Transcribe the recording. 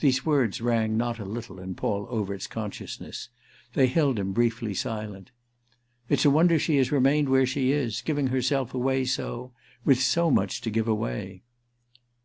These words rang not a little in Paul Overt's consciousness—they held him briefly silent. "It's a wonder she has remained as she is; giving herself away so—with so much to give away."